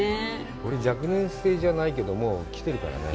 俺、若年性じゃないけどもう来てるからね。